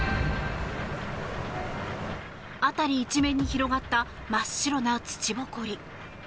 辺り一面に広がった真っ白な土ぼこり。